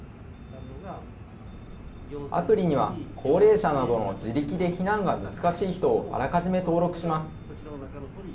アプリには、高齢者などの自力で避難が難しい人をあらかじめ登録します。